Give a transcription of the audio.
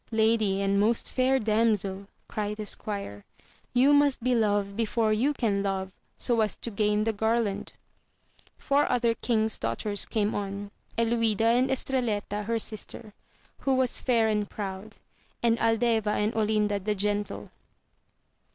Lady and most fair damsel, cried the squire, you must be loved before you can love so as to gain the garland ; four other kings' daughters came on, Eluida and Estrelleta her sister, who was fair and proud, and Aldeva and Olinda the gentle.